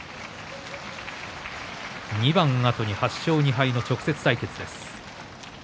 ２番あとに８勝２敗の直接対決です。